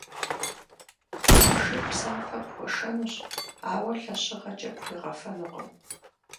Шыр псафэ пхуэшэнущ, ауэ лъэщыгъэкӏэ пхуегъэфэнукъым.